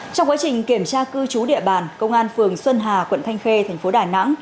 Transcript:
trong quá trình kiểm tra cư trú địa bàn công an phường xuân hà quận thanh khê thành phố đà nẵng